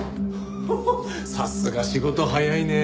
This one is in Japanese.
さすが仕事早いねえ。